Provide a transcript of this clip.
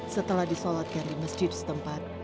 setelah disolatkan di masjid setempat